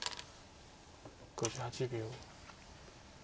５８秒。